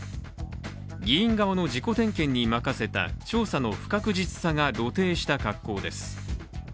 議員側の自己点検に任せた調査の不確実さが露呈した格好です。